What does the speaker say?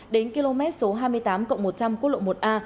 đến km số hai mươi tám cộng một trăm linh quốc lộ một a